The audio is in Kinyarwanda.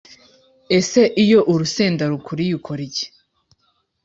Ese iyo urusenda rukuriye ukora iki?